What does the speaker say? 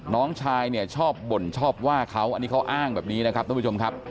น้องชายเนี่ยชอบบ่นชอบว่าเขาอันนี้เขาอ้างแบบนี้นะครับท่านผู้ชมครับ